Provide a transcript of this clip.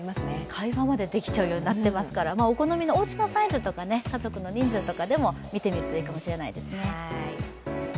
会話までできちゃうようになってますからお好みの、おうちのサイズとか家族の人数とかでも見てみるといいかもしれないですね。